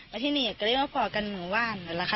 มาที่นี่ก็เรียกมาพอทากิณวาลง์ได้แล้วล่ะค่ะ